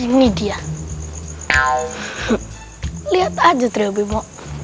ini dia lihat aja terima